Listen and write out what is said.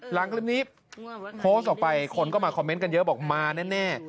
หลังคลิปนี้โพสต์ออกไปคนก็มาคอมเมนต์กันเยอะบอกมาแน่